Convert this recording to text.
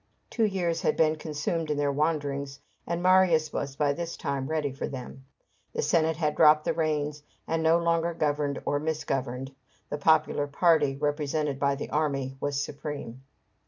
Two years had been consumed in these wanderings, and Marius was by this time ready for them. The Senate had dropped the reins, and no longer governed or misgoverned; the popular party, represented by the army, was supreme.